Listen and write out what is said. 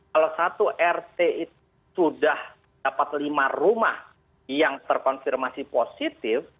kalau satu rt itu sudah dapat lima rumah yang terkonfirmasi positif